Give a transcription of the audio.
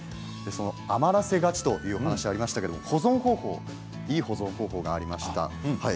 余らせがちというお話がありましたけれどいい保存方法があります。